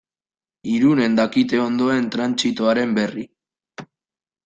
Irunen dakite ondoen trantsitoaren berri.